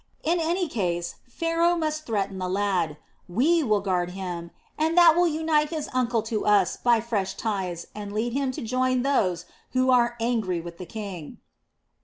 In any case Pharaoh must threaten the lad; we will guard him, and that will unite his uncle to us by fresh ties and lead him to join those who are angry with the king."